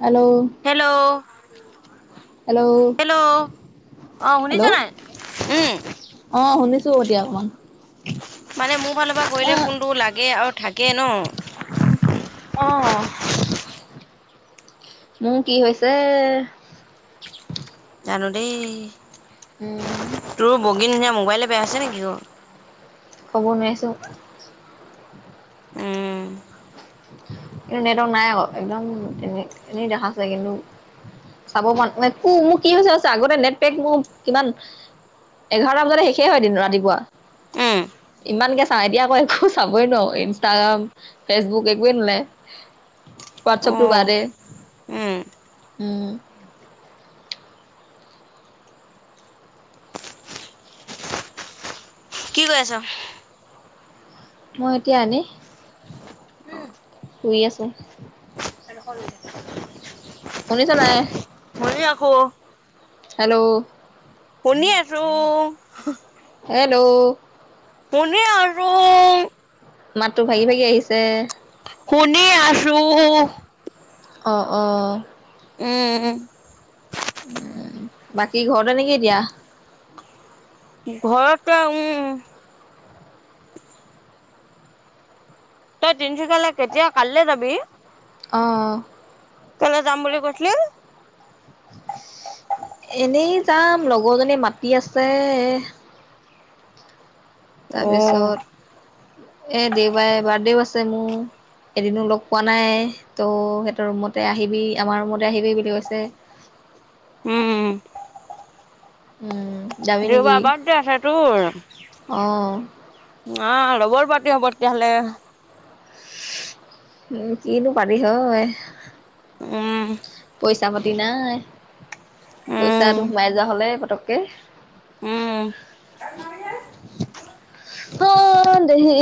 Hello. Hello. Hello অ', শুনিছ hello নাই উম। অ', শুনিছোঁ এতিয়া অকমান। মানে মোৰ ফালৰ পৰা অ কৰিলে ফোনটো লাগে আৰু থাকে ন। অহ মোৰ কি হৈছে। জানো দেই উম তোৰ বগী নিচিনা মোবাইলে বেয়া হৈছে নেকি অ'। ক'ব নোৱাৰিছোঁ। উম। কিন্তু নেটৱৰ্ক নাই অ', একদম তেনে এনেই দেখাইছে কিন্তু। চাব মন যাই পোক মোৰ কি হৈছে আগতে নেট পেক মোক কিমান এঘাৰটা বজাতে শেষেই হয় এদিন ৰাতিপুৱা। উম ইমানকে চাই এতিয়া আকৌ একো চাবই নোৱাৰো ইনষ্টাগ্ৰাম ফেচবুক একোৱেই নোলাই। হোৱাটছপ টো অ', বাদে উম, উম। কি কৰি আছ? মই এতিয়া এনে শুই আছোঁ। আৰু সৰু [unintelligible] শুনিছ নাই। মৰি ৰাখো। হেল্ল'। শুনি আছোঁ। হেল্ল'। শুনি আছোঁ মাতটো ভাগি ভাগি আহিছে। শুনি আছোঁ। অ', অ'। উম, উম। উ বাকী ঘৰতে নেকি এতিয়া। ঘৰতে উম। তই তিনিচুকীয়ালৈ কেতিয়া কাইলৈ যাবি? অহ। তালৈ যাম বুলি কৈছিলি। এনেই যাম লগৰজনী মাতি আছে অ তাৰপিছত [inaudible] এ দেওঁবাৰে বাৰ্থদে ও আছে মোৰ। এদিনো লগ পোৱা নাই তো সিহঁতৰ ৰুমতে আহিবি আমাৰ ৰুমতে আহিবি বুলি কৈছে। উম উম। যাবি নেকি? দেওবাৰ বাৰ্থদে আছে তোৰ? অ', অঁ, ডবল পাৰতি হ'ব তেতিয়াহ'লে। উ কিনো পাবি হয় উম, পইচা ছা পাতি নাই পইচাটো উম, সোমাই যোৱা হলে পতককে। উম। ত দেহি।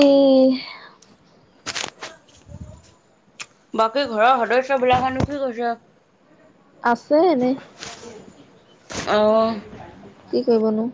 বাকী ঘৰৰ সদস্য বিলাক হেনো কি কৈছে? আছে এনেই। অঁ। কি কৰিবনো।